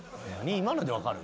今ので分かる？